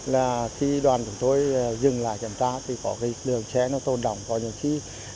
là khi đoàn chúng tôi dừng lại kiểm tra thì có cái đường xe nó tồn đỏng có những khi